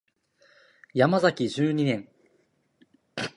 ヤマザキ十二年